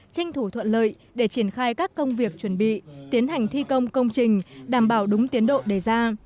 tranh thủ thuận lợi để triển khai các công việc chuẩn bị tiến hành thi công công trình đảm bảo đúng tiến độ đề ra